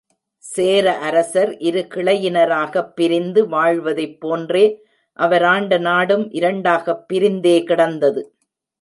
சேர அரசர் இரு கிளையினராகப் பிரிந்து வாழ்வதைப் போன்றே, அவர் ஆண்ட நாடும், இரண்டாகப் பிரிந்தே கிடந்தது.